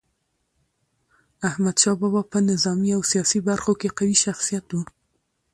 احمد شاه بابا په نظامي او سیاسي برخو کي قوي شخصیت و.